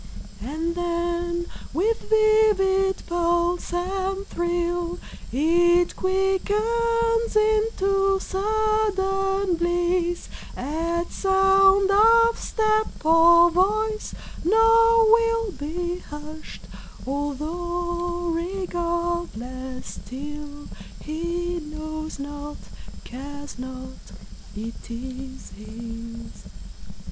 And then, with vivid pulse and thrill, It quickens into sudden bliss At sound of step or voice, nor will Be hushed, although, regardless still, He knows not, cares not, it is his.